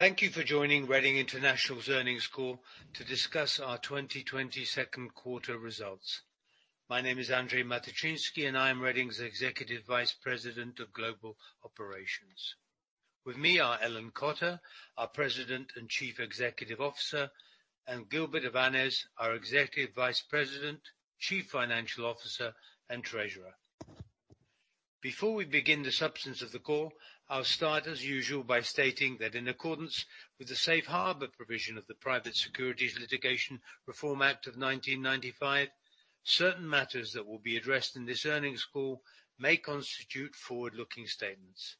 Thank you for joining Reading International's earnings call to discuss our 2020 second quarter results. My name is Andrzej Matyczynski, and I am Reading's Executive Vice President of Global Operations. With me are Ellen Cotter, our President and Chief Executive Officer, and Gilbert Avanes, our Executive Vice President, Chief Financial Officer, and Treasurer. Before we begin the substance of the call, I'll start as usual by stating that in accordance with the safe harbor provision of the Private Securities Litigation Reform Act of 1995, certain matters that will be addressed in this earnings call may constitute forward-looking statements.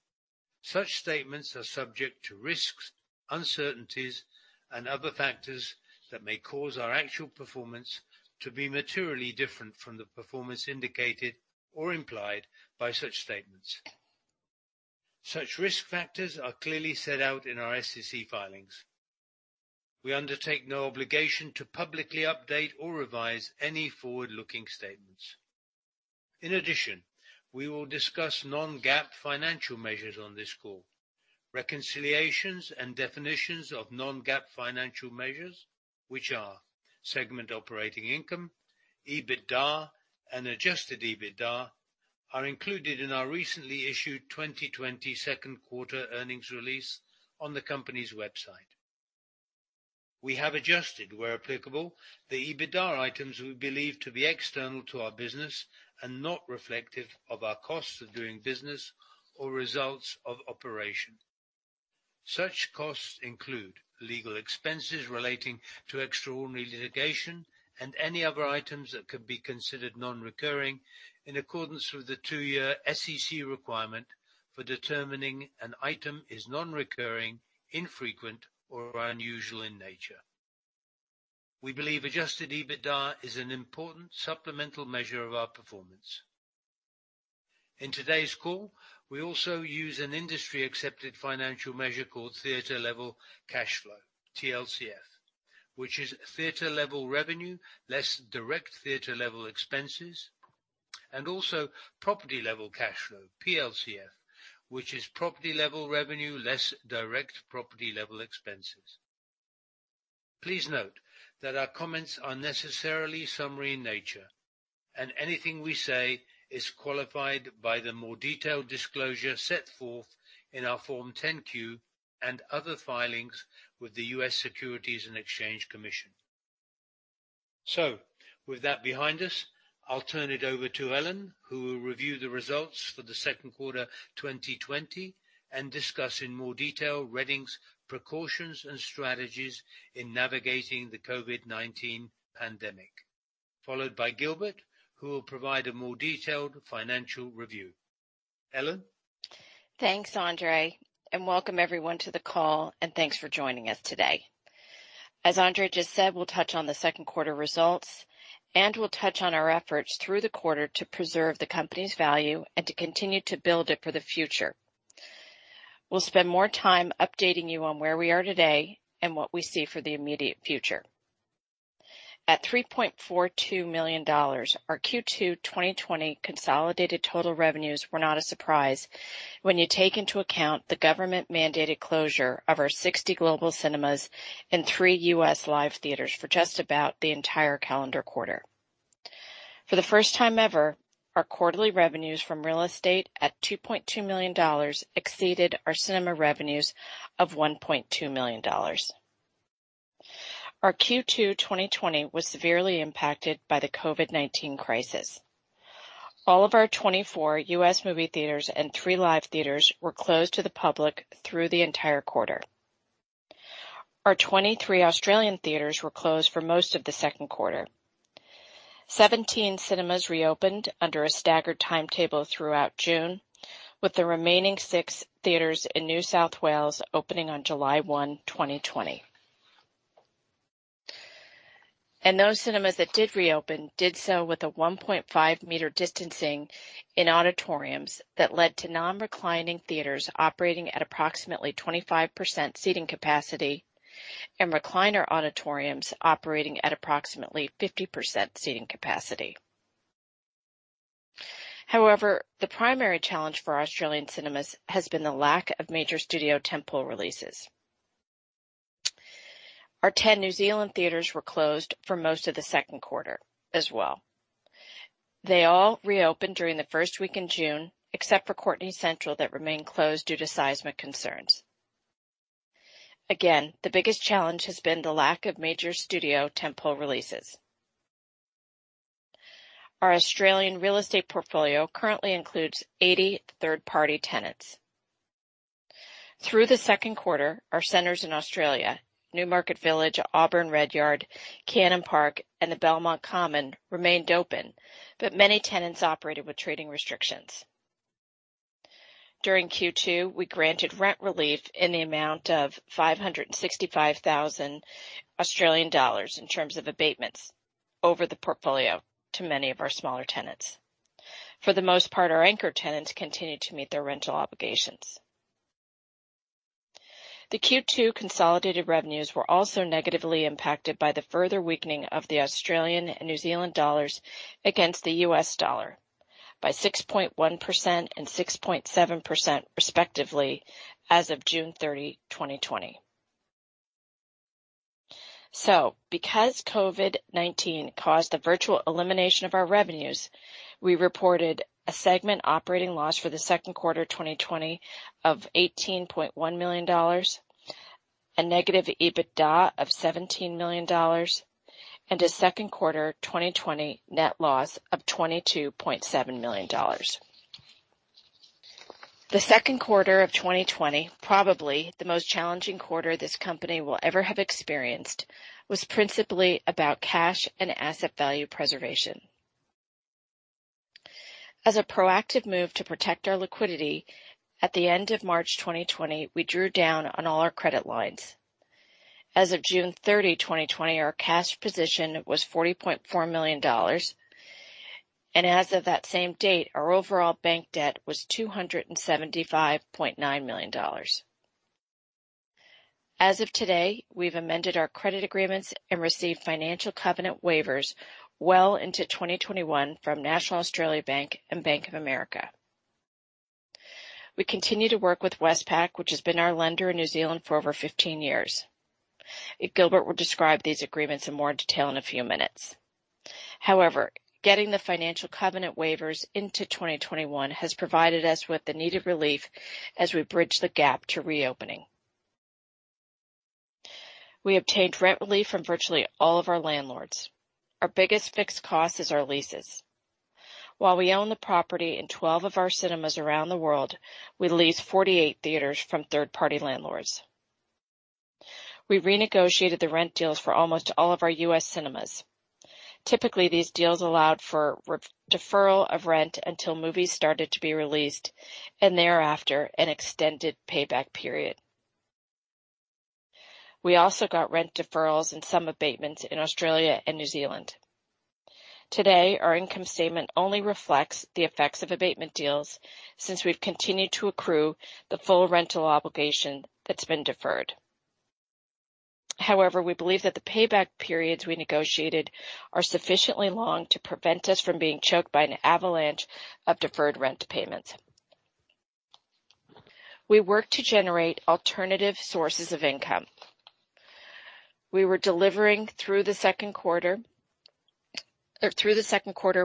Such statements are subject to risks, uncertainties, and other factors that may cause our actual performance to be materially different from the performance indicated or implied by such statements. Such risk factors are clearly set out in our SEC filings. We undertake no obligation to publicly update or revise any forward-looking statements. In addition, we will discuss non-GAAP financial measures on this call. Reconciliations and definitions of non-GAAP financial measures which are segment operating income, EBITDA, and adjusted EBITDA, are included in our recently issued 2020 second quarter earnings release on the company's website. We have adjusted, where applicable, the EBITDA items we believe to be external to our business and not reflective of our costs of doing business or results of operation. Such costs include legal expenses relating to extraordinary litigation and any other items that could be considered non-recurring, in accordance with the two-year SEC requirement for determining an item is non-recurring, infrequent, or unusual in nature. We believe adjusted EBITDA is an important supplemental measure of our performance. In today's call, we also use an industry-accepted financial measure called theater level cash flow, TLCF, which is theater level revenue, less direct theater-level expenses, and also property level cash flow, PLCF, which is property level revenue, less direct property level expenses. Please note that our comments are necessarily summary in nature, and anything we say is qualified by the more detailed disclosure set forth in our Form 10-Q and other filings with the U.S. Securities and Exchange Commission. With that behind us, I'll turn it over to Ellen, who will review the results for the second quarter 2020, and discuss in more detail Reading's precautions and strategies in navigating the COVID-19 pandemic. Followed by Gilbert, who will provide a more detailed financial review. Ellen. Thanks, Andrzej, and welcome everyone to the call, and thanks for joining us today. As Andrzej just said, we'll touch on the second quarter results, and we'll touch on our efforts through the quarter to preserve the company's value and to continue to build it for the future. We'll spend more time updating you on where we are today and what we see for the immediate future. At $3.42 million, our Q2 2020 consolidated total revenues were not a surprise when you take into account the government-mandated closure of our 60 global cinemas and three U.S. live theaters for just about the entire calendar quarter. For the first time ever, our quarterly revenues from real estate at $2.2 million exceeded our cinema revenues of $1.2 million. Our Q2 2020 was severely impacted by the COVID-19 crisis. All of our 24 U.S. movie theaters and three live theaters were closed to the public through the entire quarter. Our 23 Australian theaters were closed for most of the second quarter. 17 cinemas reopened under a staggered timetable throughout June, with the remaining six theaters in New South Wales opening on July 1, 2020. Those cinemas that did reopen did so with a 1.5-meter distancing in auditoriums that led to non-reclining theaters operating at approximately 25% seating capacity and recliner auditoriums operating at approximately 50% seating capacity. However, the primary challenge for Australian cinemas has been the lack of major studio tent-pole releases. Our 10 New Zealand theaters were closed for most of the second quarter as well. They all reopened during the first week in June, except for Courtenay Central that remained closed due to seismic concerns. Again, the biggest challenge has been the lack of major studio tent-pole releases. Our Australian real estate portfolio currently includes 80 third-party tenants. Through the second quarter, our centers in Australia, Newmarket Village, Auburn Redyard, Cannon Park, and the Belmont Common remained open, but many tenants operated with trading restrictions. During Q2, we granted rent relief in the amount of 565,000 Australian dollars in terms of abatements over the portfolio to many of our smaller tenants. For the most part, our anchor tenants continued to meet their rental obligations. The Q2 consolidated revenues were also negatively impacted by the further weakening of the Australian and New Zealand dollars against the US dollar by 6.1% and 6.7% respectively as of June 30, 2020. Because COVID-19 caused the virtual elimination of our revenues, we reported a segment operating loss for the second quarter 2020 of $18.1 million, a negative EBITDA of $17 million, and a second quarter 2020 net loss of $22.7 million. The second quarter of 2020, probably the most challenging quarter this company will ever have experienced, was principally about cash and asset value preservation. As a proactive move to protect our liquidity, at the end of March 2020, we drew down on all our credit lines. As of June 30, 2020, our cash position was $40.4 million, and as of that same date, our overall bank debt was $275.9 million. As of today, we've amended our credit agreements and received financial covenant waivers well into 2021 from National Australia Bank and Bank of America. We continue to work with Westpac, which has been our lender in New Zealand for over 15 years. Gilbert will describe these agreements in more detail in a few minutes. However, getting the financial covenant waivers into 2021 has provided us with the needed relief as we bridge the gap to reopening. We obtained rent relief from virtually all of our landlords. Our biggest fixed cost is our leases. While we own the property in 12 of our cinemas around the world, we lease 48 theaters from third-party landlords. We renegotiated the rent deals for almost all of our U.S. cinemas. Typically, these deals allowed for deferral of rent until movies started to be released, and thereafter, an extended payback period. We also got rent deferrals and some abatements in Australia and New Zealand. Today, our income statement only reflects the effects of abatement deals since we've continued to accrue the full rental obligation that's been deferred. However, we believe that the payback periods we negotiated are sufficiently long to prevent us from being choked by an avalanche of deferred rent payments. We worked to generate alternative sources of income. Through the second quarter,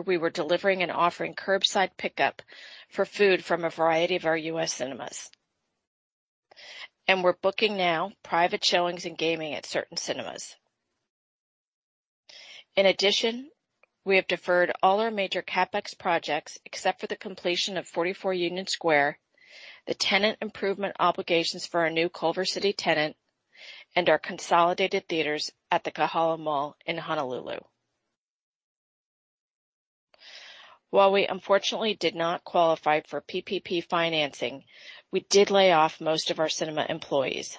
we were delivering and offering curbside pickup for food from a variety of our U.S. cinemas, and we're booking now private showings and gaming at certain cinemas. In addition, we have deferred all our major CapEx projects, except for the completion of 44 Union Square, the tenant improvement obligations for our new Culver City tenant, and our consolidated theaters at the Kahala Mall in Honolulu. While we unfortunately did not qualify for PPP financing, we did lay off most of our cinema employees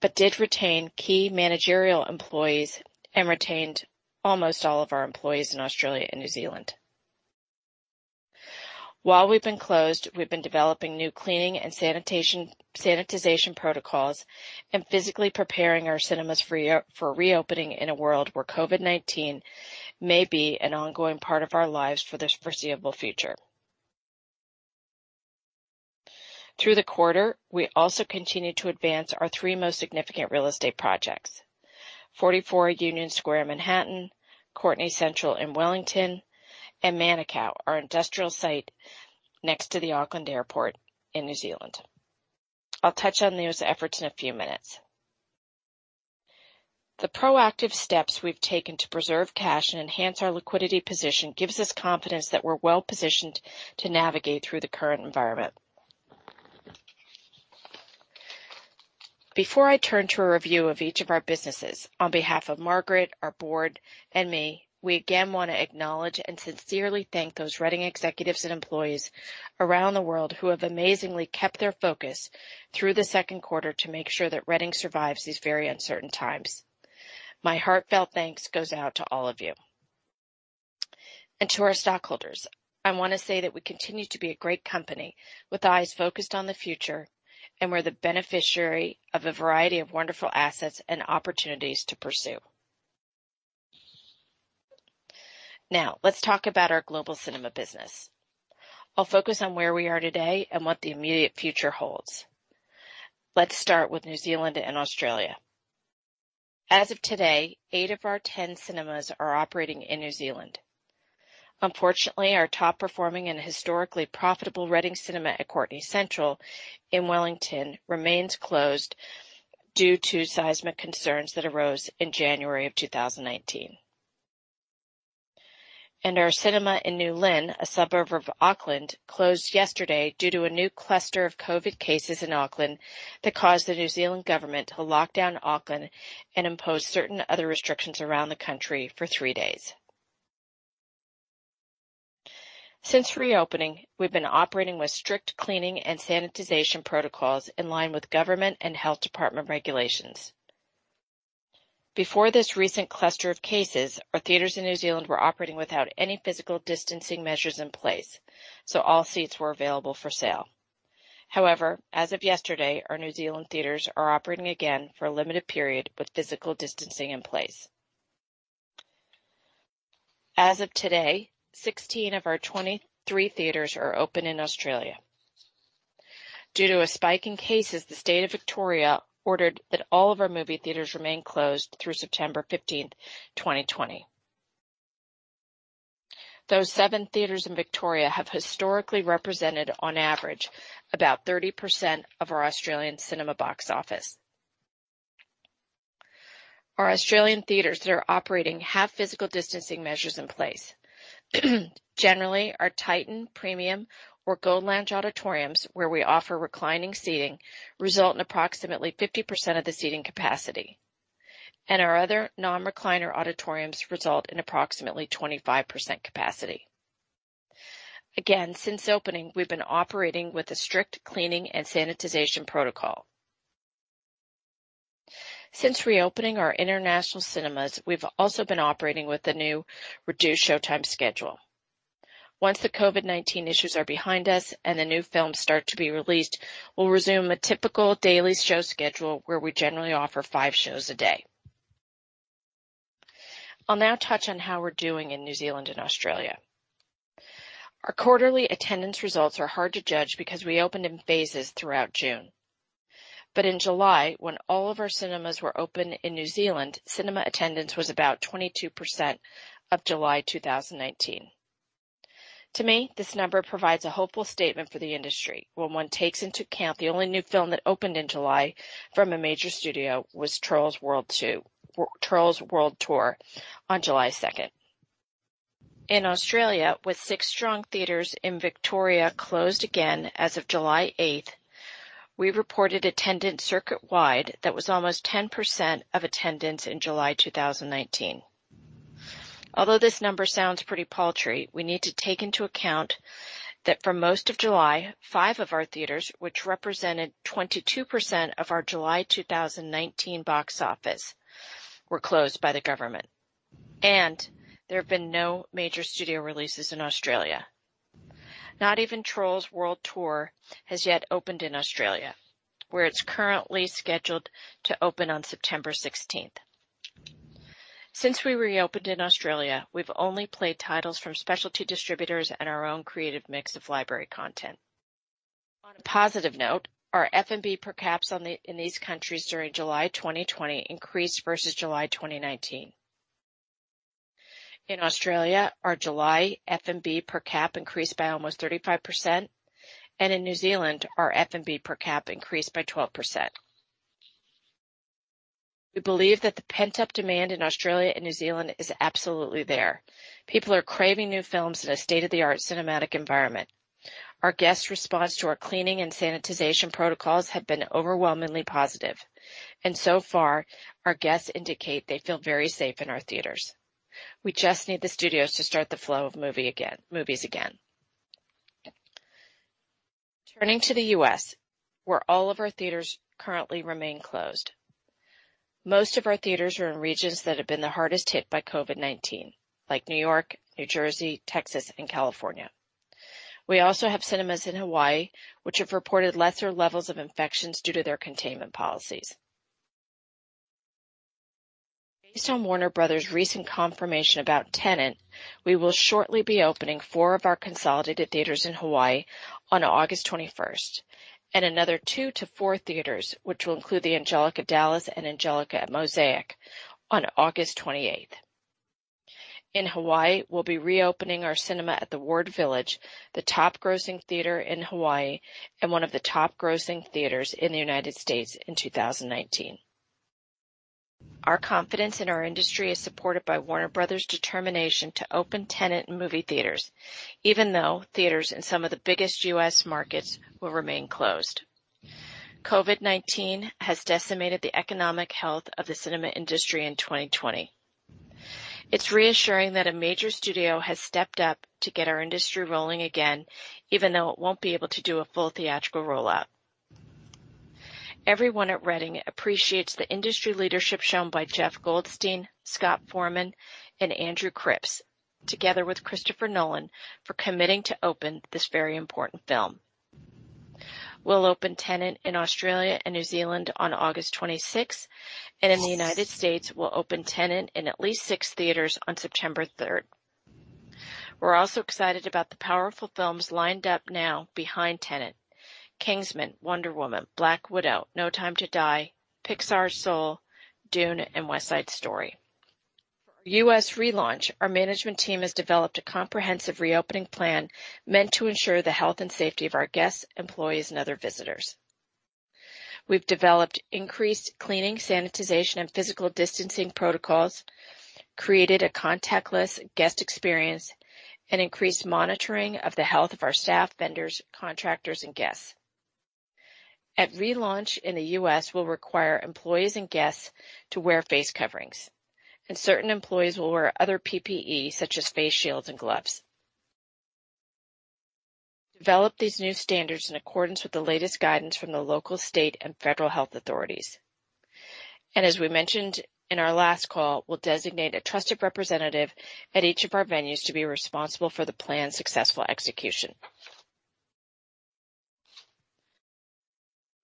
but did retain key managerial employees and retained almost all of our employees in Australia and New Zealand. While we've been closed, we've been developing new cleaning and sanitization protocols and physically preparing our cinemas for reopening in a world where COVID-19 may be an ongoing part of our lives for the foreseeable future. Through the quarter, we also continued to advance our three most significant real estate projects: 44 Union Square in Manhattan, Courtenay Central in Wellington, and Manukau, our industrial site next to the Auckland Airport in New Zealand. I'll touch on those efforts in a few minutes. The proactive steps we've taken to preserve cash and enhance our liquidity position gives us confidence that we're well-positioned to navigate through the current environment. Before I turn to a review of each of our businesses, on behalf of Margaret, our board, and me, we again want to acknowledge and sincerely thank those Reading executives and employees around the world who have amazingly kept their focus through the second quarter to make sure that Reading survives these very uncertain times. My heartfelt thanks goes out to all of you. To our stockholders, I want to say that we continue to be a great company with eyes focused on the future, and we're the beneficiary of a variety of wonderful assets and opportunities to pursue. Now, let's talk about our global cinema business. I'll focus on where we are today and what the immediate future holds. Let's start with New Zealand and Australia. As of today, eight of our 10 cinemas are operating in New Zealand. Unfortunately, our top-performing and historically profitable Reading Cinema at Courtenay Central in Wellington remains closed due to seismic concerns that arose in January of 2019. Our cinema in New Lynn, a suburb of Auckland, closed yesterday due to a new cluster of COVID cases in Auckland that caused the New Zealand government to lock down Auckland and impose certain other restrictions around the country for three days. Since reopening, we've been operating with strict cleaning and sanitization protocols in line with government and health department regulations. Before this recent cluster of cases, our theaters in New Zealand were operating without any physical distancing measures in place, so all seats were available for sale. However, as of yesterday, our New Zealand theaters are operating again for a limited period with physical distancing in place. As of today, 16 of our 23 theaters are open in Australia. Due to a spike in cases, the state of Victoria ordered that all of our movie theaters remain closed through September 15th, 2020. Those seven theaters in Victoria have historically represented, on average, about 30% of our Australian cinema box office. Our Australian theaters that are operating have physical distancing measures in place. Generally, our TITAN, Premium or Gold Lounge auditoriums where we offer reclining seating result in approximately 50% of the seating capacity, and our other non-recliner auditoriums result in approximately 25% capacity. Again, since opening, we've been operating with a strict cleaning and sanitization protocol. Since reopening our international cinemas, we've also been operating with a new reduced showtime schedule. Once the COVID-19 issues are behind us and the new films start to be released, we'll resume a typical daily show schedule where we generally offer five shows a day. I'll now touch on how we're doing in New Zealand and Australia. Our quarterly attendance results are hard to judge because we opened in phases throughout June. In July, when all of our cinemas were open in New Zealand, cinema attendance was about 22% of July 2019. To me, this number provides a hopeful statement for the industry when one takes into account the only new film that opened in July from a major studio was Trolls World Tour on July 2nd. In Australia, with six strong theaters in Victoria closed again as of July 8th, we reported attendance circuit-wide that was almost 10% of attendance in July 2019. This number sounds pretty paltry, we need to take into account that for most of July, five of our theaters, which represented 22% of our July 2019 box office, were closed by the government, and there have been no major studio releases in Australia. Not even Trolls World Tour has yet opened in Australia, where it is currently scheduled to open on September 16th. Since we reopened in Australia, we have only played titles from specialty distributors and our own creative mix of library content. On a positive note, our F&B per caps in these countries during July 2020 increased versus July 2019. In Australia, our July F&B per cap increased by almost 35%, and in New Zealand, our F&B per cap increased by 12%. We believe that the pent-up demand in Australia and New Zealand is absolutely there. People are craving new films in a state-of-the-art cinematic environment. Our guests' response to our cleaning and sanitization protocols have been overwhelmingly positive, and so far, our guests indicate they feel very safe in our theaters. We just need the studios to start the flow of movies again. Turning to the U.S., where all of our theaters currently remain closed. Most of our theaters are in regions that have been the hardest hit by COVID-19, like New York, New Jersey, Texas, and California. We also have cinemas in Hawaii, which have reported lesser levels of infections due to their containment policies. Based on Warner Bros. recent confirmation about Tenet, we will shortly be opening four of our consolidated theaters in Hawaii on August 21st and another two to four theaters, which will include the Angelika Dallas and Angelika at Mosaic on August 28th. In Hawaii, we'll be reopening our cinema at the Ward Village, the top grossing theater in Hawaii and one of the top grossing theaters in the United States in 2019. Our confidence in our industry is supported by Warner Bros. Pictures determination to open Tenet in movie theaters, even though theaters in some of the biggest U.S. markets will remain closed. COVID-19 has decimated the economic health of the cinema industry in 2020. It's reassuring that a major studio has stepped up to get our industry rolling again, even though it won't be able to do a full theatrical rollout. Everyone at Reading appreciates the industry leadership shown by Jeff Goldstein, Scott Forman, and Andrew Cripps, together with Christopher Nolan, for committing to open this very important film. We'll open Tenet in Australia and New Zealand on August 26th, and in the United States, we'll open Tenet in at least six theaters on September 3rd. We're also excited about the powerful films lined up now behind Tenet. Kingsman, Wonder Woman, Black Widow, No Time to Die, Pixar's Soul, Dune, and West Side Story. For our U.S. relaunch, our management team has developed a comprehensive reopening plan meant to ensure the health and safety of our guests, employees, and other visitors. We've developed increased cleaning, sanitization, and physical distancing protocols, created a contactless guest experience, and increased monitoring of the health of our staff, vendors, contractors, and guests. At relaunch in the U.S., we'll require employees and guests to wear face coverings, and certain employees will wear other PPE, such as face shields and gloves. We developed these new standards in accordance with the latest guidance from the local state and federal health authorities. As we mentioned in our last call, we'll designate a trusted representative at each of our venues to be responsible for the plan's successful execution.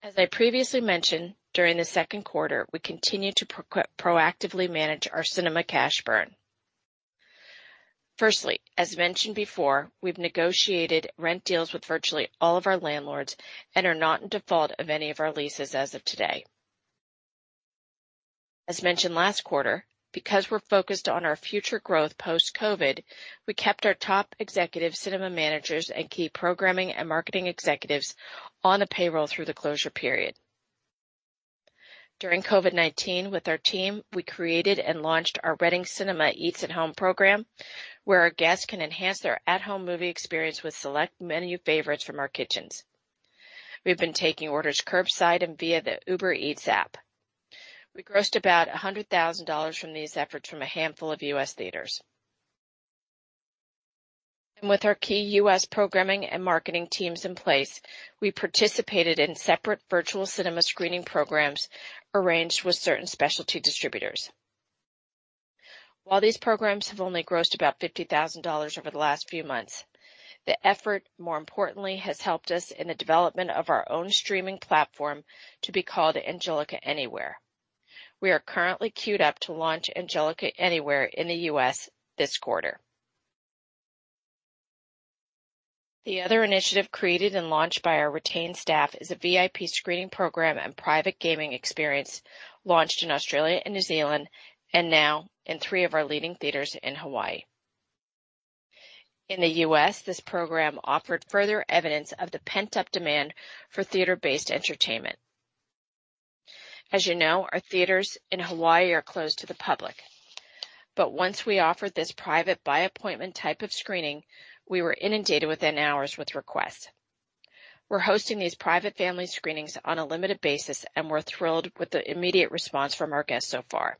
As I previously mentioned, during the second quarter, we continued to proactively manage our cinema cash burn. Firstly, as mentioned before, we've negotiated rent deals with virtually all of our landlords and are not in default of any of our leases as of today. As mentioned last quarter, because we're focused on our future growth post-COVID, we kept our top executive cinema managers and key programming and marketing executives on the payroll through the closure period. During COVID-19, with our team, we created and launched our Reading Cinemas Eats at Home program, where our guests can enhance their at-home movie experience with select menu favorites from our kitchens. We've been taking orders curbside and via the Uber Eats app. We grossed about $100,000 from these efforts from a handful of U.S. theaters. With our key U.S. programming and marketing teams in place, we participated in separate virtual cinema screening programs arranged with certain specialty distributors. While these programs have only grossed about $50,000 over the last few months, the effort, more importantly, has helped us in the development of our own streaming platform to be called Angelika Anywhere. We are currently cued up to launch Angelika Anywhere in the U.S. this quarter. The other initiative created and launched by our retained staff is a VIP screening program and private gaming experience launched in Australia and New Zealand, and now in three of our leading theaters in Hawaii. In the U.S., this program offered further evidence of the pent-up demand for theater-based entertainment. As you know, our theaters in Hawaii are closed to the public. Once we offered this private, by-appointment type of screening, we were inundated within hours with requests. We're hosting these private family screenings on a limited basis, and we're thrilled with the immediate response from our guests so far.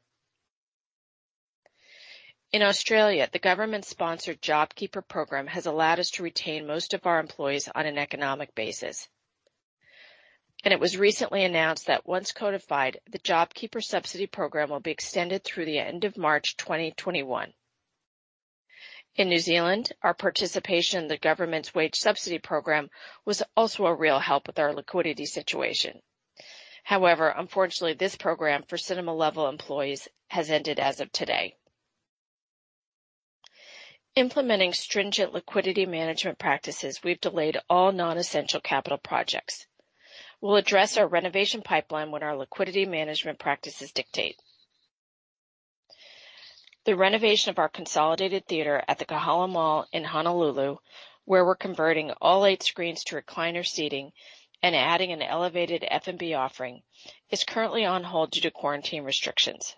In Australia, the government-sponsored JobKeeper program has allowed us to retain most of our employees on an economic basis. It was recently announced that once codified, the JobKeeper subsidy program will be extended through the end of March 2021. In New Zealand, our participation in the government's wage subsidy program was also a real help with our liquidity situation. Unfortunately, this program for cinema-level employees has ended as of today. Implementing stringent liquidity management practices, we've delayed all non-essential capital projects. We'll address our renovation pipeline when our liquidity management practices dictate. The renovation of our consolidated theater at the Kahala Mall in Honolulu, where we're converting all eight screens to recliner seating and adding an elevated F&B offering, is currently on hold due to quarantine restrictions.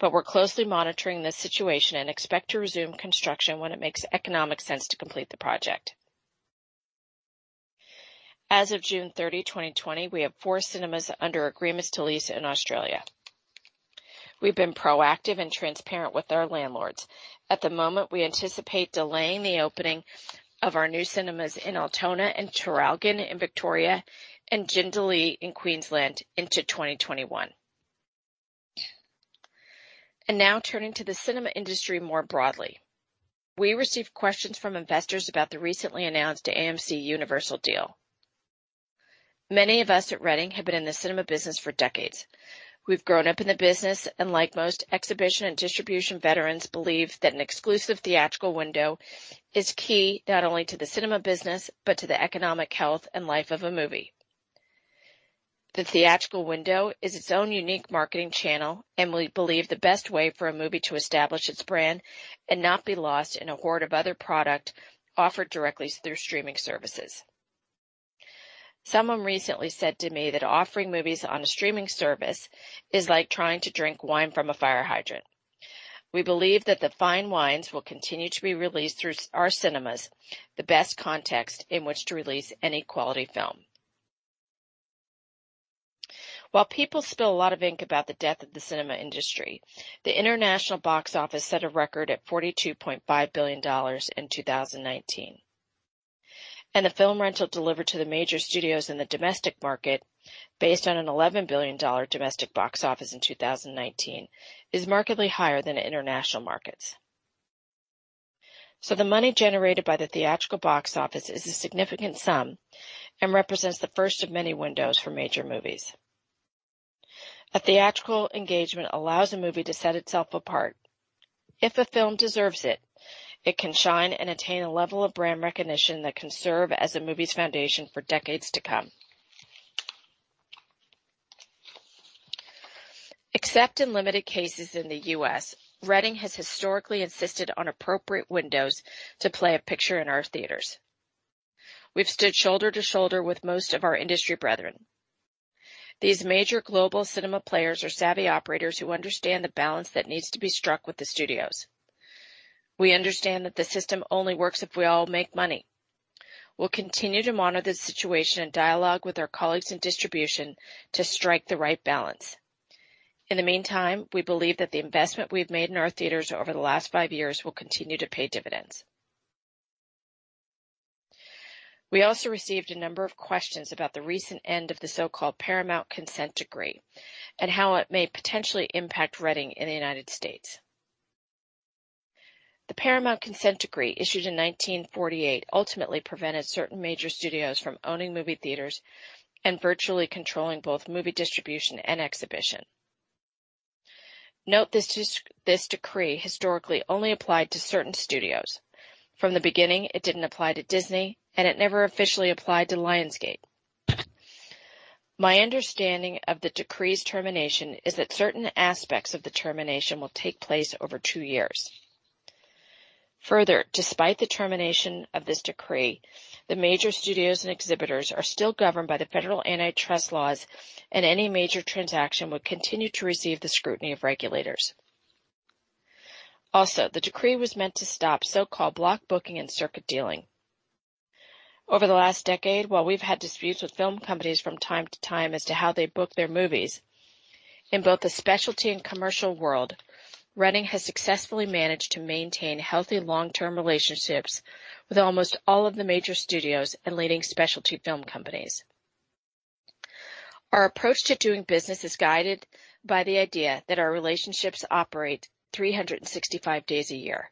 We're closely monitoring the situation and expect to resume construction when it makes economic sense to complete the project. As of June 30, 2020, we have four cinemas under agreements to lease in Australia. We've been proactive and transparent with our landlords. At the moment, we anticipate delaying the opening of our new cinemas in Altona and Traralgon in Victoria and Jindalee in Queensland into 2021. Now turning to the cinema industry more broadly. We received questions from investors about the recently announced AMC-Universal deal. Many of us at Reading have been in the cinema business for decades. We've grown up in the business, and like most exhibition and distribution veterans, believe that an exclusive theatrical window is key not only to the cinema business but to the economic health and life of a movie. The theatrical window is its own unique marketing channel and we believe the best way for a movie to establish its brand and not be lost in a hoard of other product offered directly through streaming services. Someone recently said to me that offering movies on a streaming service is like trying to drink wine from a fire hydrant. We believe that the fine wines will continue to be released through our cinemas, the best context in which to release any quality film. While people spill a lot of ink about the death of the cinema industry, the international box office set a record at $42.5 billion in 2019. The film rental delivered to the major studios in the domestic market, based on an $11 billion domestic box office in 2019, is markedly higher than international markets. The money generated by the theatrical box office is a significant sum and represents the first of many windows for major movies. A theatrical engagement allows a movie to set itself apart. If a film deserves it can shine and attain a level of brand recognition that can serve as a movie's foundation for decades to come. Except in limited cases in the U.S., Reading has historically insisted on appropriate windows to play a picture in our theaters. We've stood shoulder to shoulder with most of our industry brethren. These major global cinema players are savvy operators who understand the balance that needs to be struck with the studios. We understand that the system only works if we all make money. We'll continue to monitor the situation and dialogue with our colleagues in distribution to strike the right balance. In the meantime, we believe that the investment we've made in our theaters over the last five years will continue to pay dividends. We also received a number of questions about the recent end of the so-called Paramount consent decree and how it may potentially impact Reading in the U.S. The Paramount consent decree, issued in 1948, ultimately prevented certain major studios from owning movie theaters and virtually controlling both movie distribution and exhibition. Note this decree historically only applied to certain studios. From the beginning, it didn't apply to Disney, and it never officially applied to Lionsgate. My understanding of the decree's termination is that certain aspects of the termination will take place over two years. Further, despite the termination of this decree, the major studios and exhibitors are still governed by the federal antitrust laws, and any major transaction would continue to receive the scrutiny of regulators. The decree was meant to stop so-called block booking and circuit dealing. Over the last decade, while we've had disputes with film companies from time to time as to how they book their movies, in both the specialty and commercial world, Reading has successfully managed to maintain healthy long-term relationships with almost all of the major studios and leading specialty film companies. Our approach to doing business is guided by the idea that our relationships operate 365 days a year.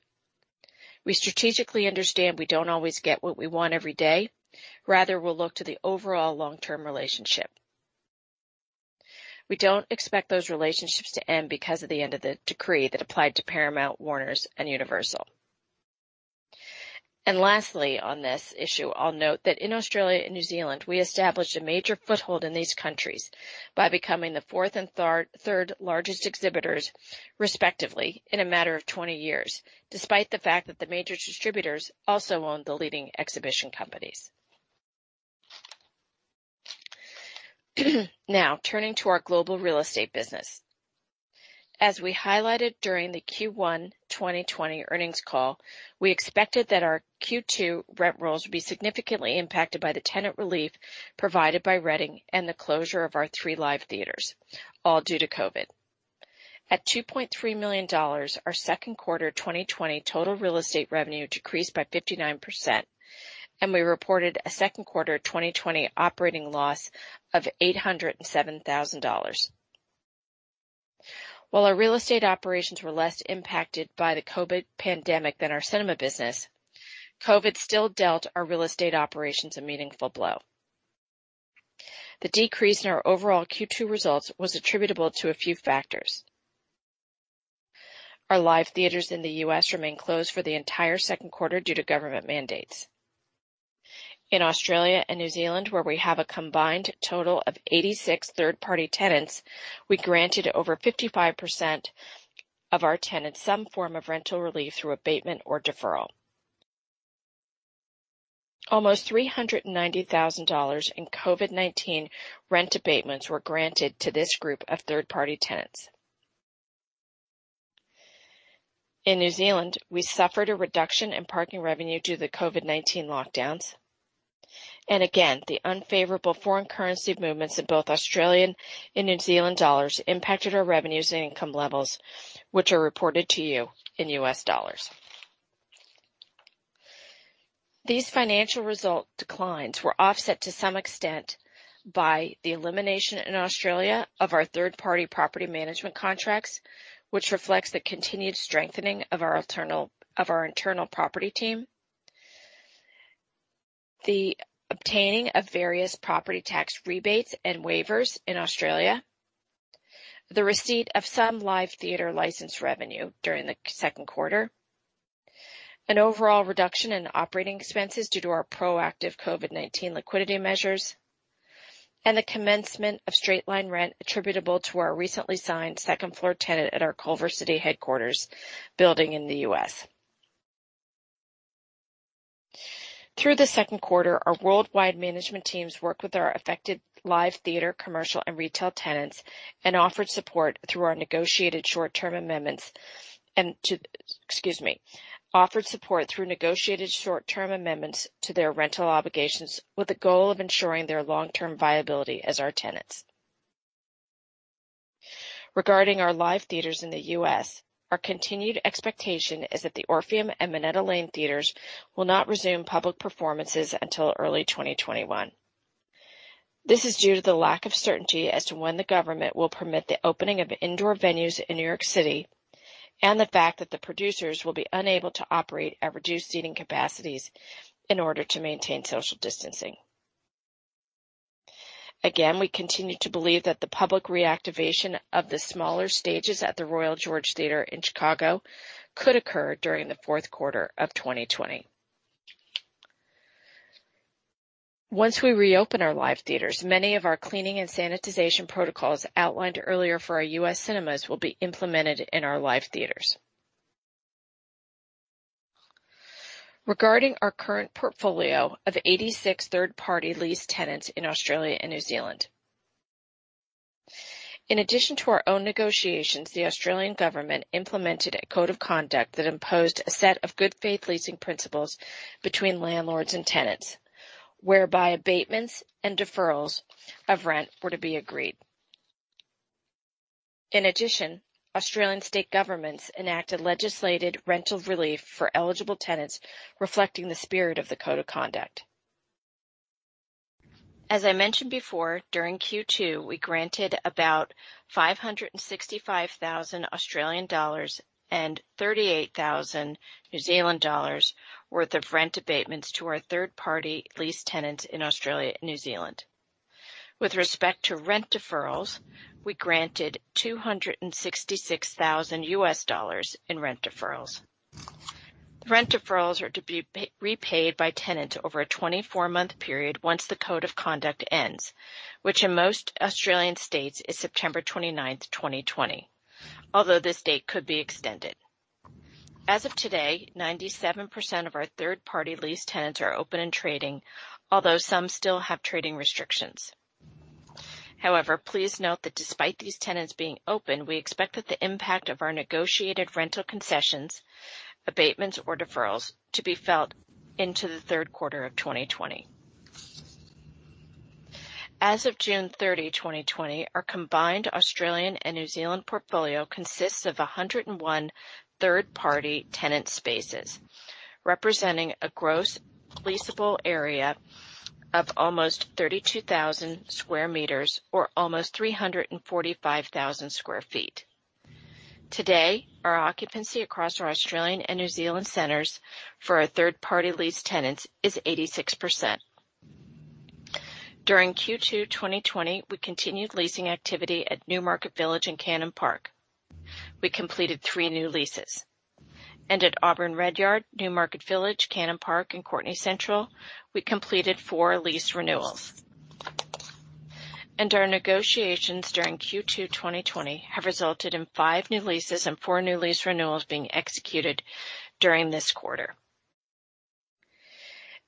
We strategically understand we don't always get what we want every day. We'll look to the overall long-term relationship. We don't expect those relationships to end because of the end of the decree that applied to Paramount, Warner Bros., and Universal. Lastly, on this issue, I'll note that in Australia and New Zealand, we established a major foothold in these countries by becoming the fourth and third largest exhibitors, respectively, in a matter of 20 years, despite the fact that the major distributors also own the leading exhibition companies. Turning to our global real estate business. As we highlighted during the Q1 2020 earnings call, we expected that our Q2 rent rolls would be significantly impacted by the tenant relief provided by Reading and the closure of our three live theaters, all due to COVID. At $2.3 million, our second quarter 2020 total real estate revenue decreased by 59%, and we reported a second quarter 2020 operating loss of $807,000. While our real estate operations were less impacted by the COVID pandemic than our cinema business, COVID still dealt our real estate operations a meaningful blow. The decrease in our overall Q2 results was attributable to a few factors. Our live theaters in the U.S. remain closed for the entire second quarter due to government mandates. In Australia and New Zealand, where we have a combined total of 86 third-party tenants, we granted over 55% of our tenants some form of rental relief through abatement or deferral. Almost $390,000 in COVID-19 rent abatements were granted to this group of third-party tenants. In New Zealand, we suffered a reduction in parking revenue due to the COVID-19 lockdowns, again, the unfavorable foreign currency movements in both Australian and New Zealand dollars impacted our revenues and income levels, which are reported to you in U.S. dollars. These financial result declines were offset to some extent by the elimination in Australia of our third-party property management contracts, which reflects the continued strengthening of our internal property team. The obtaining of various property tax rebates and waivers in Australia, the receipt of some live theater license revenue during the second quarter, an overall reduction in operating expenses due to our proactive COVID-19 liquidity measures, and the commencement of straight-line rent attributable to our recently signed second-floor tenant at our Culver City headquarters building in the U.S. Through the second quarter, our worldwide management teams worked with our affected live theater commercial and retail tenants and offered support through negotiated short-term amendments to their rental obligations with the goal of ensuring their long-term viability as our tenants. Regarding our live theaters in the U.S., our continued expectation is that the Orpheum and Minetta Lane theaters will not resume public performances until early 2021. This is due to the lack of certainty as to when the government will permit the opening of indoor venues in New York City and the fact that the producers will be unable to operate at reduced seating capacities in order to maintain social distancing. We continue to believe that the public reactivation of the smaller stages at the Royal George Theater in Chicago could occur during the fourth quarter of 2020. Once we reopen our live theaters, many of our cleaning and sanitization protocols outlined earlier for our U.S. cinemas will be implemented in our live theaters. Regarding our current portfolio of 86 third-party lease tenants in Australia and New Zealand. In addition to our own negotiations, the Australian government implemented a Code of Conduct that imposed a set of good faith leasing principles between landlords and tenants, whereby abatements and deferrals of rent were to be agreed. In addition, Australian state governments enacted legislated rental relief for eligible tenants, reflecting the spirit of the Code of Conduct. As I mentioned before, during Q2, we granted about 565,000 Australian dollars and 38,000 New Zealand dollars worth of rent abatements to our third-party lease tenants in Australia and New Zealand. With respect to rent deferrals, we granted $266,000 in rent deferrals. The rent deferrals are to be repaid by tenant over a 24-month period once the Code of Conduct ends, which in most Australian states is September 29th, 2020. Although this date could be extended. As of today, 97% of our third-party lease tenants are open and trading, although some still have trading restrictions. However, please note that despite these tenants being open, we expect that the impact of our negotiated rental concessions, abatements, or deferrals to be felt into the third quarter of 2020. As of June 30, 2020, our combined Australian and New Zealand portfolio consists of 101 third-party tenant spaces, representing a gross leasable area of almost 32,000 sq m or almost 345,000 sq ft. Today, our occupancy across our Australian and New Zealand centers for our third-party lease tenants is 86%. During Q2 2020, we continued leasing activity at Newmarket Village and Cannon Park. We completed three new leases. At Auburn Redyard, Newmarket Village, Cannon Park, and Courtenay Central, we completed four lease renewals. Our negotiations during Q2 2020 have resulted in five new leases and four new lease renewals being executed during this quarter.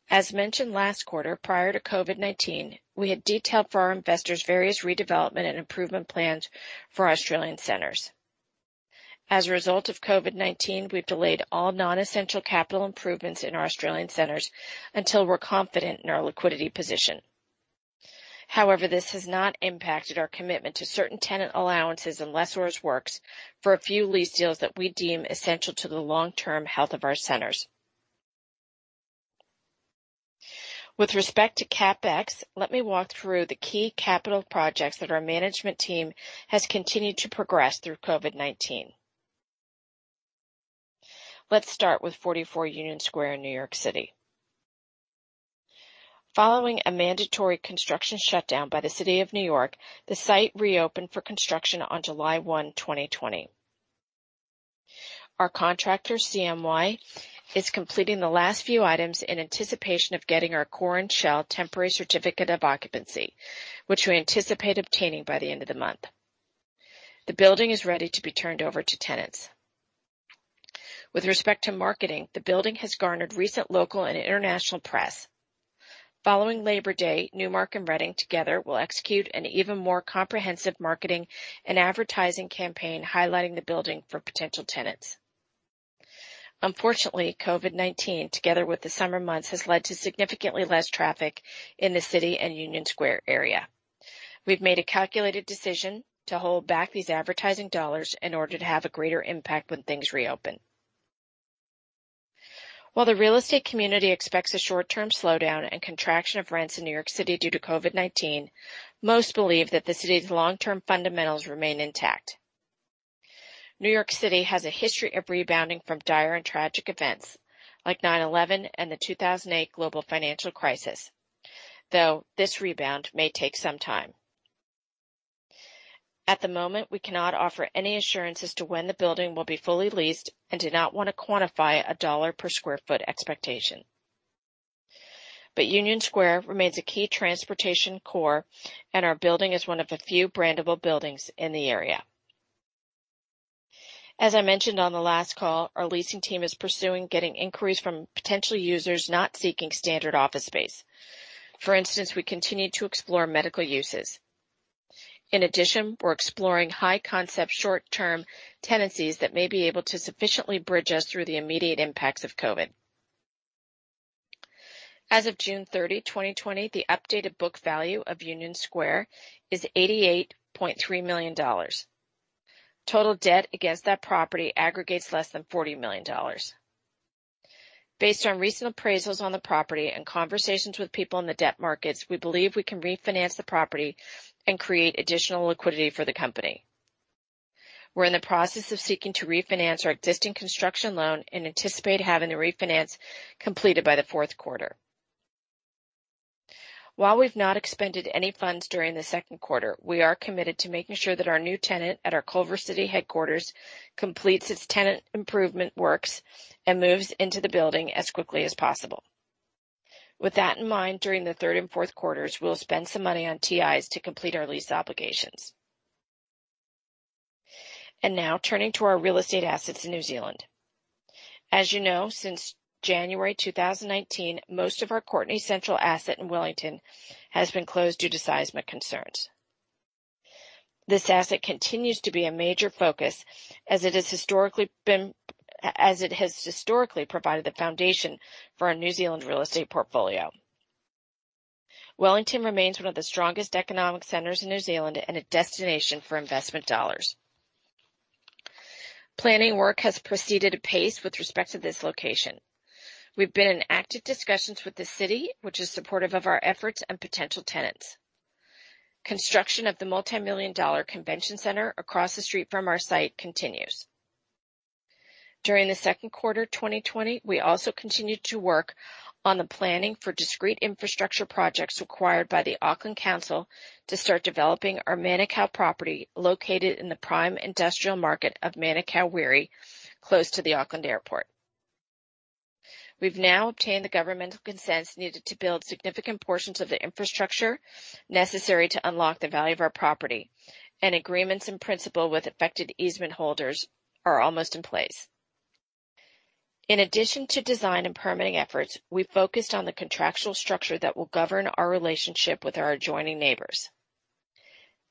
As mentioned last quarter, prior to COVID-19, we had detailed for our investors various redevelopment and improvement plans for our Australian centers. As a result of COVID-19, we've delayed all non-essential capital improvements in our Australian centers until we're confident in our liquidity position. However, this has not impacted our commitment to certain tenant allowances and lessors works for a few lease deals that we deem essential to the long-term health of our centers. With respect to CapEx, let me walk through the key capital projects that our management team has continued to progress through COVID-19. Let's start with 44 Union Square in New York City. Following a mandatory construction shutdown by the City of New York, the site reopened for construction on July 1, 2020. Our contractor, CNY, is completing the last few items in anticipation of getting our core and shell temporary certificate of occupancy, which we anticipate obtaining by the end of the month. The building is ready to be turned over to tenants. Following Labor Day, Newmark and Reading together will execute an even more comprehensive marketing and advertising campaign highlighting the building for potential tenants. Unfortunately, COVID-19, together with the summer months, has led to significantly less traffic in the city and Union Square area. We've made a calculated decision to hold back these advertising dollars in order to have a greater impact when things reopen. While the real estate community expects a short-term slowdown and contraction of rents in New York City due to COVID-19, most believe that the city's long-term fundamentals remain intact. New York City has a history of rebounding from dire and tragic events like 9/11 and the 2008 global financial crisis, though this rebound may take some time. At the moment, we cannot offer any assurance as to when the building will be fully leased and do not want to quantify a dollar per square foot expectation. Union Square remains a key transportation core, and our building is one of a few brandable buildings in the area. As I mentioned on the last call, our leasing team is pursuing getting inquiries from potential users not seeking standard office space. For instance, we continue to explore medical uses. In addition, we're exploring high-concept, short-term tenancies that may be able to sufficiently bridge us through the immediate impacts of COVID. As of June 30, 2020, the updated book value of Union Square is $88.3 million. Total debt against that property aggregates less than $40 million. Based on recent appraisals on the property and conversations with people in the debt markets, we believe we can refinance the property and create additional liquidity for the company. We're in the process of seeking to refinance our existing construction loan and anticipate having the refinance completed by the fourth quarter. While we've not expended any funds during the second quarter, we are committed to making sure that our new tenant at our Culver City headquarters completes its tenant improvement works and moves into the building as quickly as possible. With that in mind, during the third and fourth quarters, we'll spend some money on TIs to complete our lease obligations. Now turning to our real estate assets in New Zealand. As you know, since January 2019, most of our Courtenay Central asset in Wellington has been closed due to seismic concerns. This asset continues to be a major focus as it has historically provided the foundation for our New Zealand real estate portfolio. Wellington remains one of the strongest economic centers in New Zealand and a destination for investment dollars. Planning work has proceeded at pace with respect to this location. We've been in active discussions with the city, which is supportive of our efforts and potential tenants. Construction of the multimillion-dollar convention center across the street from our site continues. During the second quarter 2020, we also continued to work on the planning for discrete infrastructure projects required by the Auckland Council to start developing our Manukau property, located in the prime industrial market of Manukau Wiri, close to the Auckland Airport. We've now obtained the governmental consents needed to build significant portions of the infrastructure necessary to unlock the value of our property, and agreements in principle with affected easement holders are almost in place. In addition to design and permitting efforts, we focused on the contractual structure that will govern our relationship with our adjoining neighbors.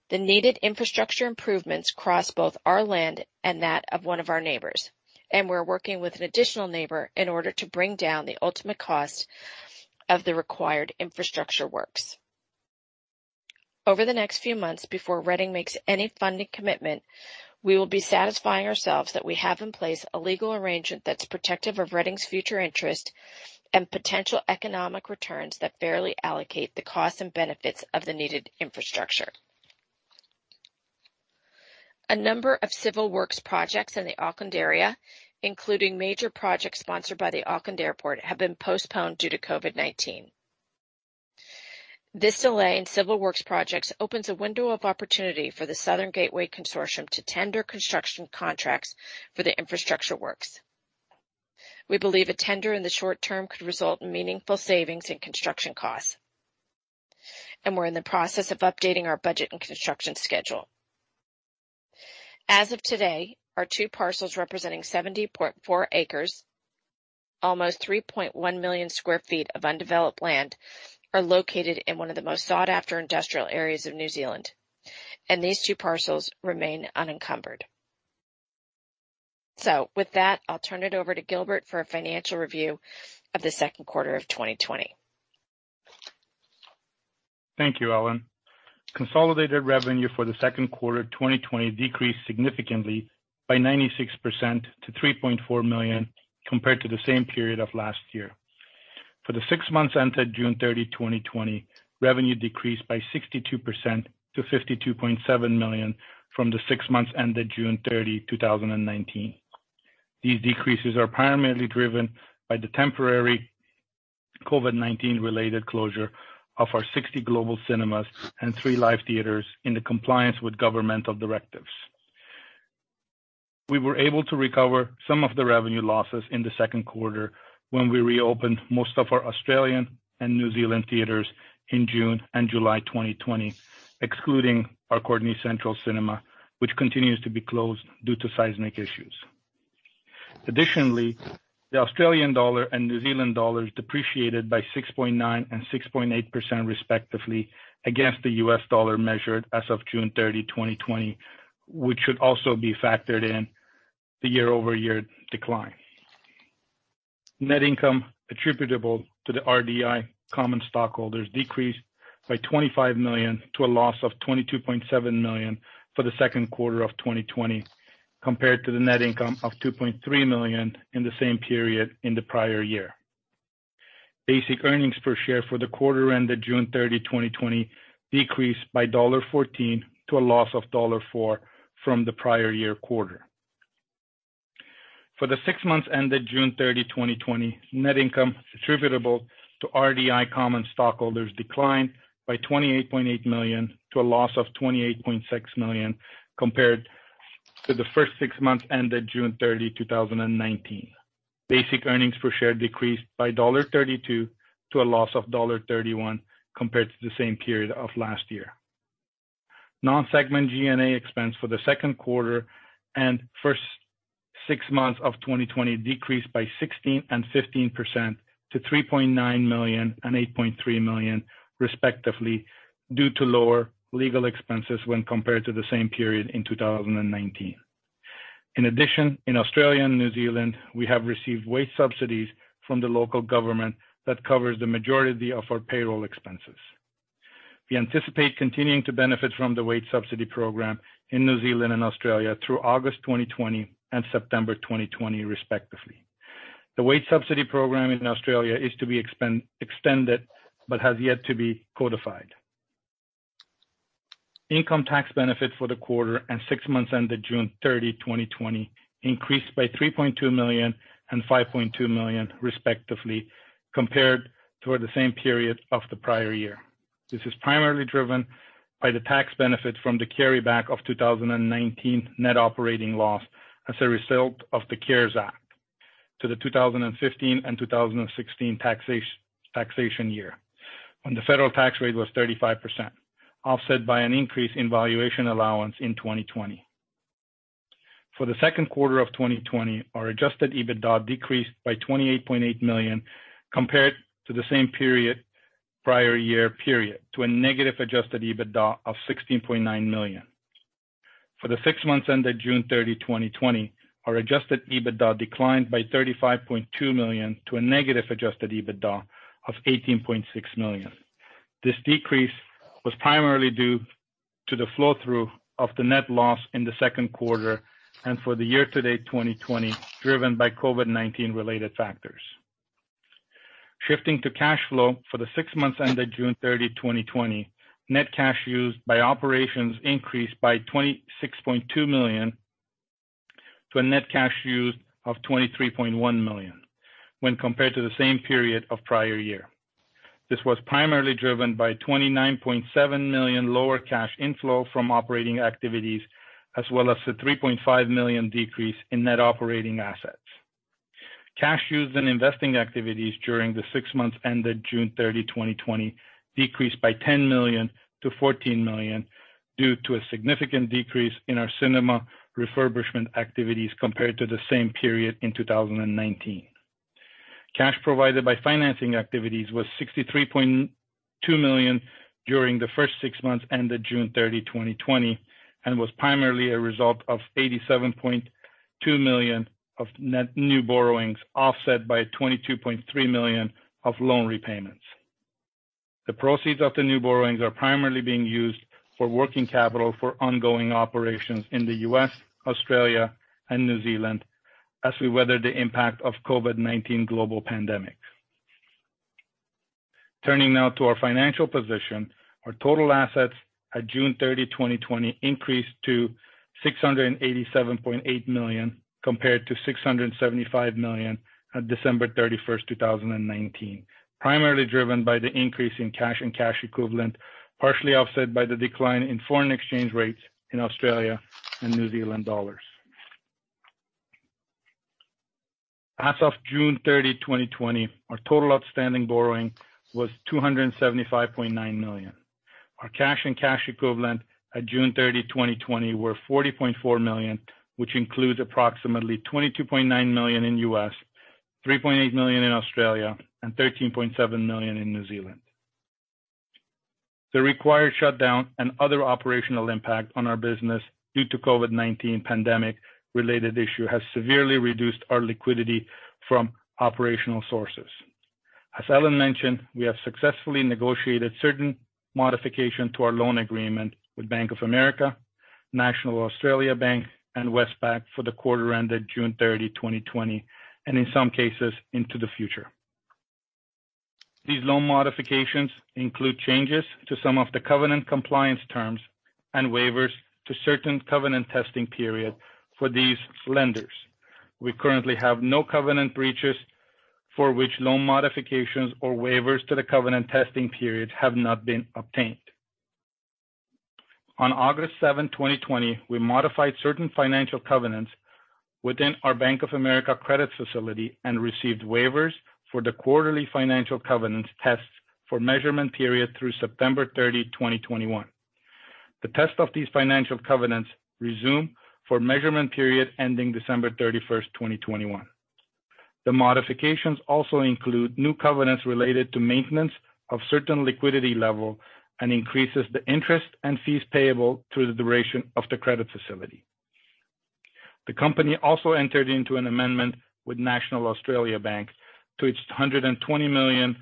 The needed infrastructure improvements cross both our land and that of one of our neighbors, and we're working with an additional neighbor in order to bring down the ultimate cost of the required infrastructure works. Over the next few months, before Reading makes any funding commitment, we will be satisfying ourselves that we have in place a legal arrangement that's protective of Reading's future interest and potential economic returns that fairly allocate the costs and benefits of the needed infrastructure. A number of civil works projects in the Auckland area, including major projects sponsored by the Auckland Airport, have been postponed due to COVID-19. This delay in civil works projects opens a window of opportunity for the Southern Gateway Consortium to tender construction contracts for the infrastructure works. We believe a tender in the short term could result in meaningful savings in construction costs. We're in the process of updating our budget and construction schedule. As of today, our two parcels representing 70.4 acres, almost 3.1 million sq ft of undeveloped land, are located in one of the most sought-after industrial areas of New Zealand, and these two parcels remain unencumbered. With that, I'll turn it over to Gilbert for a financial review of the second quarter of 2020. Thank you, Ellen. Consolidated revenue for the second quarter 2020 decreased significantly by 96% to $3.4 million compared to the same period of last year. For the six months ended June 30, 2020, revenue decreased by 62% to $52.7 million from the six months ended June 30, 2019. These decreases are primarily driven by the temporary COVID-19-related closure of our 60 global cinemas and three live theaters in the compliance with governmental directives. We were able to recover some of the revenue losses in the second quarter when we reopened most of our Australian and New Zealand theaters in June and July 2020, excluding our Courtenay Central Cinema, which continues to be closed due to seismic issues. Additionally, the Australian dollar and New Zealand dollars depreciated by 6.9% and 6.8% respectively against the U.S. dollar measured as of June 30, 2020, which should also be factored in the year-over-year decline. Net income attributable to the RDI common stockholders decreased by $25 million to a loss of $22.7 million for the second quarter of 2020 compared to the net income of $2.3 million in the same period in the prior year. Basic earnings per share for the quarter ended June 30, 2020, decreased by $14 to a loss of $4 from the prior year quarter. For the six months ended June 30, 2020, net income attributable to RDI common stockholders declined by $28.8 million to a loss of $28.6 million compared to the first six months ended June 30, 2019. Basic earnings per share decreased by $0.32 to a loss of $0.31 compared to the same period of last year. Non-segment G&A expense for the second quarter and first six months of 2020 decreased by 16% and 15% to $3.9 million and $8.3 million, respectively, due to lower legal expenses when compared to the same period in 2019. In Australia and New Zealand, we have received wage subsidies from the local government that covers the majority of our payroll expenses. We anticipate continuing to benefit from the wage subsidy program in New Zealand and Australia through August 2020 and September 2020, respectively. The wage subsidy program in Australia is to be extended but has yet to be codified. Income tax benefit for the quarter and six months ended June 30, 2020, increased by $3.2 million and $5.2 million, respectively, compared to the same period of the prior year. This is primarily driven by the tax benefit from the carryback of 2019 net operating loss as a result of the CARES Act to the 2015 and 2016 taxation year, when the federal tax rate was 35%, offset by an increase in valuation allowance in 2020. For the second quarter of 2020, our adjusted EBITDA decreased by $28.8 million compared to the same period prior year period to a negative adjusted EBITDA of $16.9 million. For the six months ended June 30, 2020, our adjusted EBITDA declined by $35.2 million to a negative adjusted EBITDA of $18.6 million. This decrease was primarily due to the flow-through of the net loss in the second quarter and for the year-to-date 2020, driven by COVID-19 related factors. Shifting to cash flow for the six months ended June 30, 2020, net cash used by operations increased by $26.2 million to a net cash used of $23.1 million when compared to the same period of prior year. This was primarily driven by $29.7 million lower cash inflow from operating activities, as well as the $3.5 million decrease in net operating assets. Cash used in investing activities during the six months ended June 30, 2020, decreased by $10 million to $14 million due to a significant decrease in our cinema refurbishment activities compared to the same period in 2019. Cash provided by financing activities was $63.2 million during the first six months ended June 30, 2020, and was primarily a result of $87.2 million of net new borrowings, offset by $22.3 million of loan repayments. The proceeds of the new borrowings are primarily being used for working capital for ongoing operations in the U.S., Australia, and New Zealand as we weather the impact of COVID-19 global pandemic. Turning now to our financial position. Our total assets at June 30, 2020, increased to $687.8 million, compared to $675 million on December 31st, 2019, primarily driven by the increase in cash and cash equivalent, partially offset by the decline in foreign exchange rates in Australia and New Zealand dollars. As of June 30, 2020, our total outstanding borrowing was $275.9 million. Our cash and cash equivalent at June 30, 2020, were $40.4 million, which includes approximately $22.9 million in U.S., 3.8 million in Australia, and 13.7 million in New Zealand. The required shutdown and other operational impact on our business due to COVID-19 pandemic related issue has severely reduced our liquidity from operational sources. As Ellen mentioned, we have successfully negotiated certain modification to our loan agreement with Bank of America, National Australia Bank, and Westpac for the quarter ended June 30, 2020, and in some cases, into the future. These loan modifications include changes to some of the covenant compliance terms and waivers to certain covenant testing period for these lenders. We currently have no covenant breaches for which loan modifications or waivers to the covenant testing period have not been obtained. On August 7, 2020, we modified certain financial covenants within our Bank of America credit facility and received waivers for the quarterly financial covenants tests for measurement period through September 30, 2021. The test of these financial covenants resume for measurement period ending December 31st, 2021. The modifications also include new covenants related to maintenance of certain liquidity level and increases the interest and fees payable through the duration of the credit facility. The company also entered into an amendment with National Australia Bank to its 120 million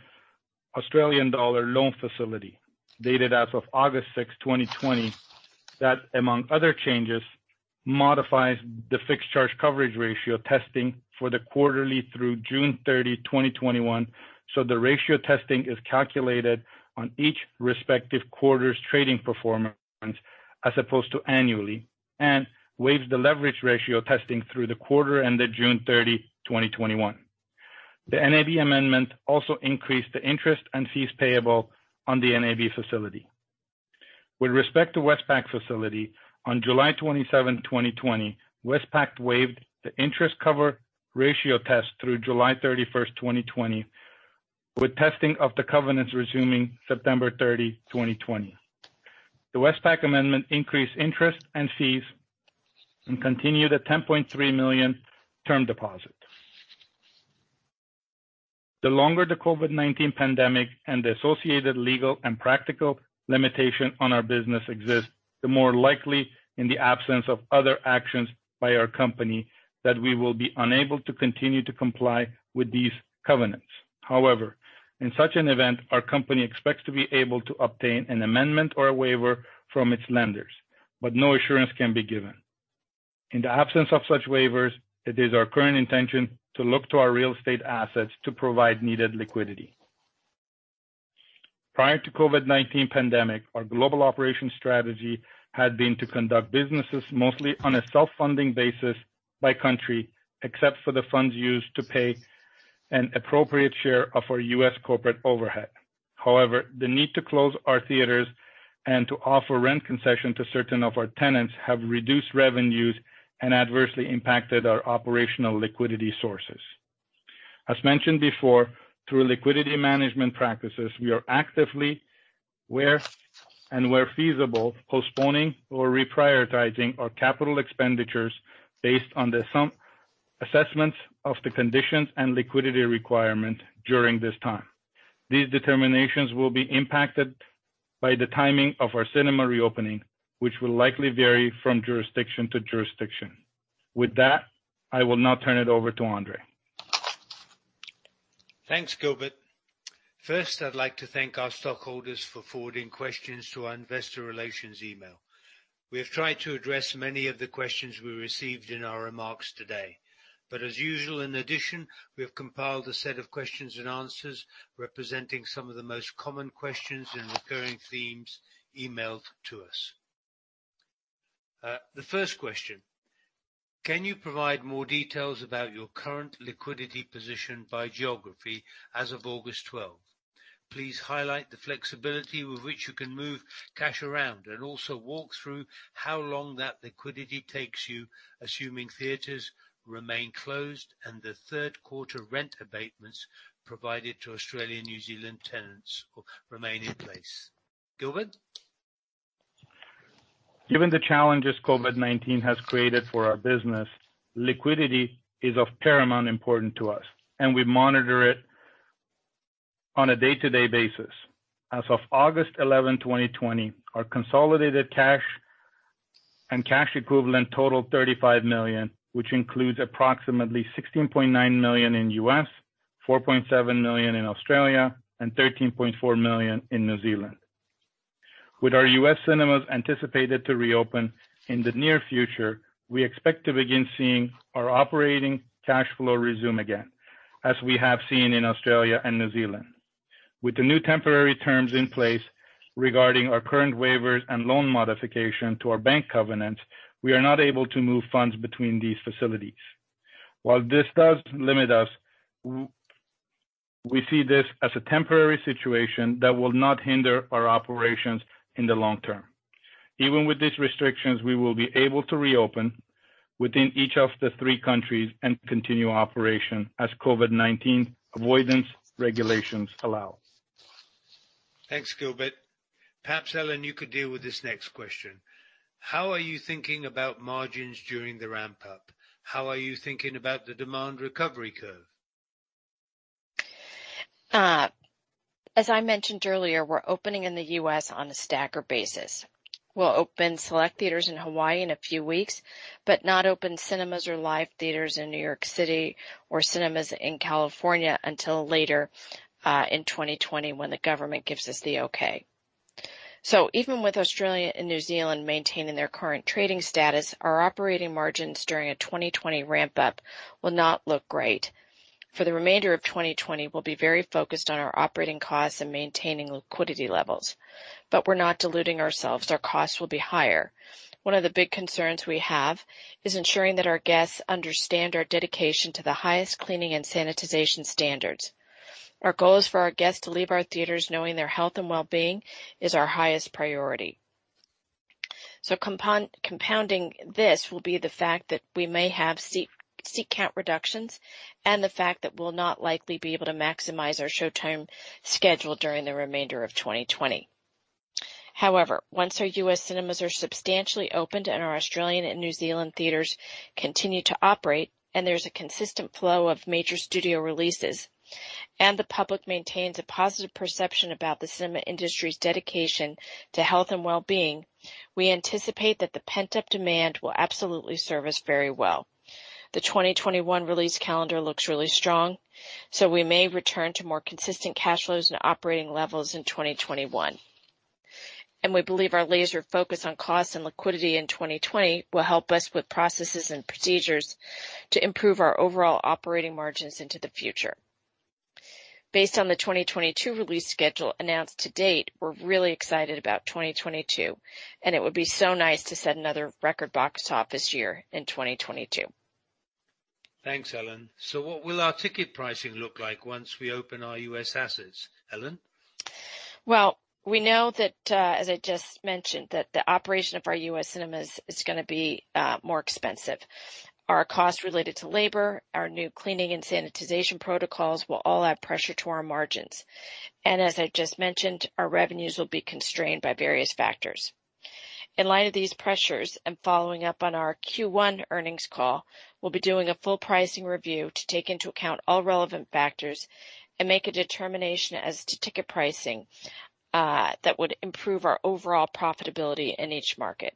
Australian dollar loan facility, dated as of August 6, 2020, that, among other changes, modifies the fixed charge coverage ratio testing for the quarterly through June 30, 2021, so the ratio testing is calculated on each respective quarter's trading performance as opposed to annually, and waives the leverage ratio testing through the quarter ended June 30, 2021. The NAB amendment also increased the interest and fees payable on the NAB facility. With respect to Westpac facility, on July 27, 2020, Westpac waived the interest cover ratio test through July 31st, 2020, with testing of the covenants resuming September 30, 2020. The Westpac amendment increased interest and fees and continued a $10.3 million term deposit. The longer the COVID-19 pandemic and the associated legal and practical limitation on our business exist, the more likely, in the absence of other actions by our company, that we will be unable to continue to comply with these covenants. In such an event, our company expects to be able to obtain an amendment or a waiver from its lenders, but no assurance can be given. In the absence of such waivers, it is our current intention to look to our real estate assets to provide needed liquidity. Prior to COVID-19 pandemic, our global operation strategy had been to conduct businesses mostly on a self-funding basis by country, except for the funds used to pay an appropriate share of our U.S. corporate overhead. However, the need to close our theaters and to offer rent concession to certain of our tenants have reduced revenues and adversely impacted our operational liquidity sources. As mentioned before, through liquidity management practices, we are actively, where feasible, postponing or reprioritizing our capital expenditures based on some assessments of the conditions and liquidity requirement during this time. These determinations will be impacted by the timing of our cinema reopening, which will likely vary from jurisdiction to jurisdiction. With that, I will now turn it over to Andrzej. Thanks, Gilbert. First, I'd like to thank our stockholders for forwarding questions to our investor relations email. We have tried to address many of the questions we received in our remarks today. As usual, in addition, we have compiled a set of questions and answers representing some of the most common questions and recurring themes emailed to us. The first question: Can you provide more details about your current liquidity position by geography as of August 12? Please highlight the flexibility with which you can move cash around, and also walk through how long that liquidity takes you, assuming theaters remain closed and the third quarter rent abatements provided to Australia, New Zealand tenants remain in place. Gilbert? Given the challenges COVID-19 has created for our business, liquidity is of paramount importance to us, and we monitor it on a day-to-day basis. As of August 11, 2020, our consolidated cash and cash equivalent total $35 million, which includes approximately $16.9 million in U.S., 4.7 million in Australia, and 13.4 million in New Zealand. With our U.S. cinemas anticipated to reopen in the near future, we expect to begin seeing our operating cash flow resume again, as we have seen in Australia and New Zealand. With the new temporary terms in place regarding our current waivers and loan modification to our bank covenants, we are not able to move funds between these facilities. While this does limit us, we see this as a temporary situation that will not hinder our operations in the long term. Even with these restrictions, we will be able to reopen within each of the three countries and continue operation as COVID-19 avoidance regulations allow. Thanks, Gilbert. Perhaps, Ellen, you could deal with this next question. How are you thinking about margins during the ramp-up? How are you thinking about the demand recovery curve? As I mentioned earlier, we're opening in the U.S. on a staggered basis. We'll open select theaters in Hawaii in a few weeks, not open cinemas or live theaters in New York City or cinemas in California until later in 2020 when the government gives us the okay. Even with Australia and New Zealand maintaining their current trading status, our operating margins during a 2020 ramp-up will not look great. For the remainder of 2020, we'll be very focused on our operating costs and maintaining liquidity levels. We're not deluding ourselves. Our costs will be higher. One of the big concerns we have is ensuring that our guests understand our dedication to the highest cleaning and sanitization standards. Our goal is for our guests to leave our theaters knowing their health and wellbeing is our highest priority. Compounding this will be the fact that we may have seat count reductions and the fact that we'll not likely be able to maximize our showtime schedule during the remainder of 2020. However, once our U.S. cinemas are substantially opened and our Australian and New Zealand theaters continue to operate, and there's a consistent flow of major studio releases, and the public maintains a positive perception about the cinema industry's dedication to health and wellbeing, we anticipate that the pent-up demand will absolutely serve us very well. The 2021 release calendar looks really strong, so we may return to more consistent cash flows and operating levels in 2021. And we believe our laser focus on cost and liquidity in 2020 will help us with processes and procedures to improve our overall operating margins into the future. Based on the 2022 release schedule announced to date, we're really excited about 2022, and it would be so nice to set another record box office year in 2022. Thanks, Ellen. What will our ticket pricing look like once we open our U.S. assets, Ellen? We know that, as I just mentioned, that the operation of our U.S. cinemas is gonna be more expensive. Our cost related to labor, our new cleaning and sanitization protocols will all add pressure to our margins. As I just mentioned, our revenues will be constrained by various factors. In light of these pressures and following up on our Q1 earnings call, we'll be doing a full pricing review to take into account all relevant factors and make a determination as to ticket pricing that would improve our overall profitability in each market.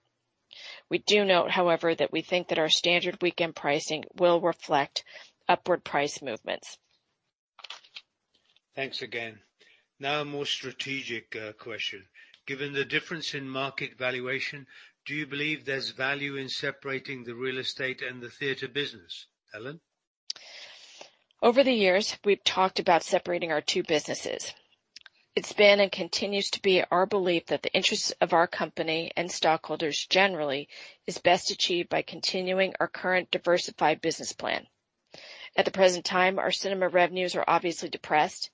We do note, however, that we think that our standard weekend pricing will reflect upward price movements. Thanks again. Now a more strategic question. Given the difference in market valuation, do you believe there's value in separating the real estate and the theater business, Ellen? Over the years, we've talked about separating our two businesses. It's been and continues to be our belief that the interest of our company and stockholders generally is best achieved by continuing our current diversified business plan. At the present time, our cinema revenues are obviously depressed.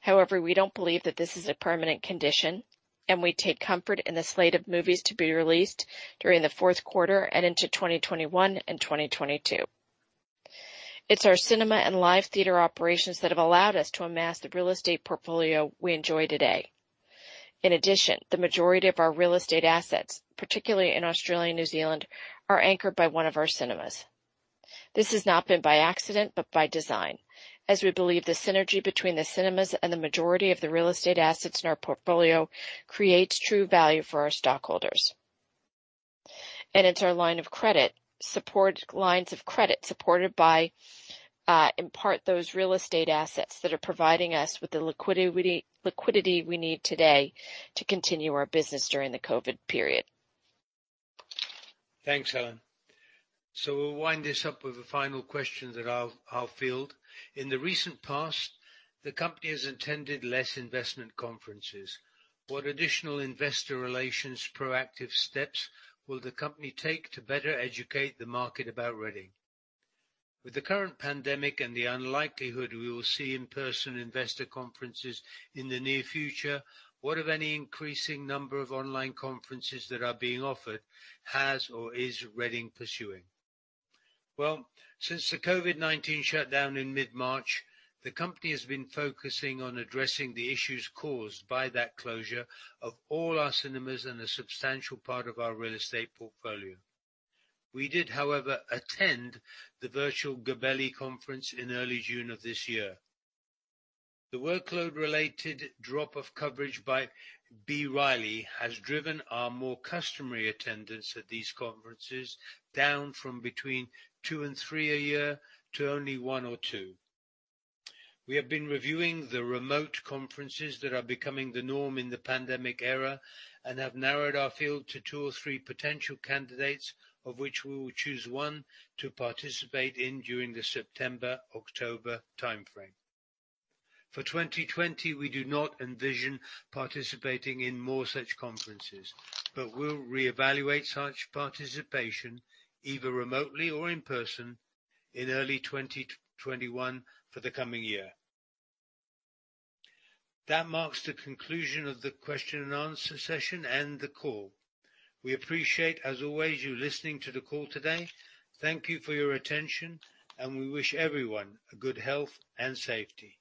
However, we don't believe that this is a permanent condition, and we take comfort in the slate of movies to be released during the fourth quarter and into 2021 and 2022. It's our cinema and live theater operations that have allowed us to amass the real estate portfolio we enjoy today. In addition, the majority of our real estate assets, particularly in Australia and New Zealand, are anchored by one of our cinemas. This has not been by accident, but by design, as we believe the synergy between the cinemas and the majority of the real estate assets in our portfolio creates true value for our stockholders. It's our lines of credit supported by, in part, those real estate assets that are providing us with the liquidity we need today to continue our business during the COVID-19 period. Thanks, Ellen. We'll wind this up with a final question that I'll field. In the recent past, the company has attended less investment conferences. What additional investor relations proactive steps will the company take to better educate the market about Reading International? With the current pandemic and the unlikelihood we will see in-person investor conferences in the near future, what, if any, increasing number of online conferences that are being offered has or is Reading pursuing? Since the COVID-19 shutdown in mid-March, the company has been focusing on addressing the issues caused by that closure of all our cinemas and a substantial part of our real estate portfolio. We did, however, attend the virtual Gabelli Conference in early June of this year. The workload-related drop of coverage by B. Riley has driven our more customary attendance at these conferences down from between two and three a year to only one or two. We have been reviewing the remote conferences that are becoming the norm in the pandemic era and have narrowed our field to two or three potential candidates, of which we will choose one to participate in during the September-October timeframe. For 2020, we do not envision participating in more such conferences, but we'll reevaluate such participation, either remotely or in person, in early 2021 for the coming year. That marks the conclusion of the question and answer session and the call. We appreciate, as always, you listening to the call today. Thank you for your attention, and we wish everyone a good health and safety.